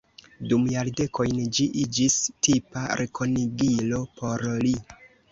Dum jardekojn ĝi iĝis tipa rekonigilo por li.